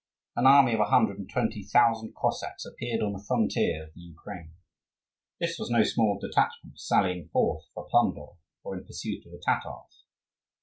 An army of a hundred and twenty thousand Cossacks appeared on the frontier of the Ukraine. This was no small detachment sallying forth for plunder or in pursuit of the Tatars.